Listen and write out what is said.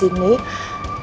ibu itu dalam karya